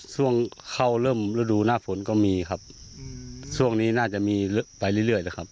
ช่วงเข้าเริ่มฤดูหน้าฝนก็มีครับช่วงนี้น่าจะมีไปเรื่อยนะครับ